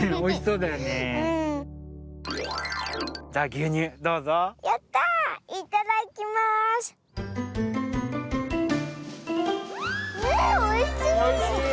うんおいしい！